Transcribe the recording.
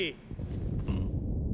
うん？